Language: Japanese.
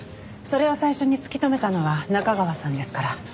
それを最初に突き止めたのは中川さんですから。